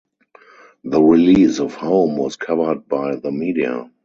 The release of "Home" was covered by the media.